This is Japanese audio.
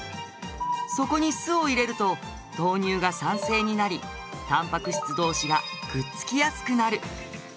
そこに酢を入れると豆乳が酸性になりたんぱく質同士がくっつきやすくなる。